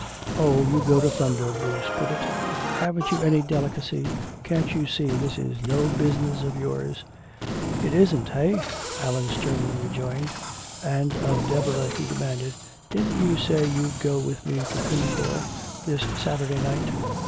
"Oh, you go to thunder," Bruce put in. "Haven't you any delicacy? Can't you see this is no business of yours?" "It isn't, eh," Allan sternly rejoined. And of Deborah he demanded, "Didn't you say you'd go with me to 'Pinafore' this Saturday night?"